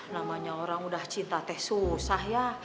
namanya orang udah cinta teh susah ya